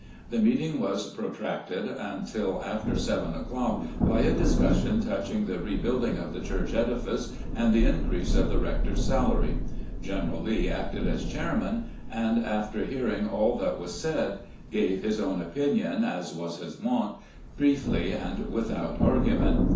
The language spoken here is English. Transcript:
The meeting was protracted tmtil after seven o'clock by a discussion touching the rebuilding of the church edifice and the increase of the rector's salary, (general Lee acted as chairman, and. 436 RECOLLECTIONS OF GENERAL LEE after hearing all that was said, gave his own opinion, as was his wont, briefly and without argument.